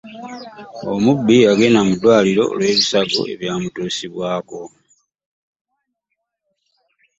Omubbi yagenda muddwaliro olwebisago ebyamutusibwako.